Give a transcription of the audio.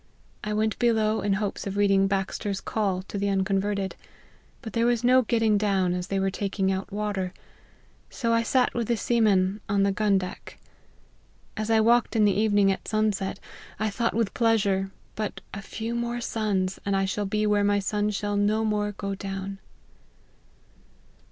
I went below in hopes of reading Baxter's Call to the Unconverted : but {here was no getting down, as they were taking out water : so I sat with the seamen on the gun deck. As I walked in the evening at sunset, I thought with pleasure, but a few more suns, and I shall be where my sun shall no more go down."